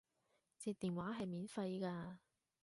接電話係免費㗎